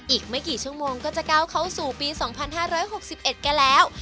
อีกไม่กี่ชั่วโมงก็จะก้าวเข้าสู่ปี๒๕๖๑กันแล้ว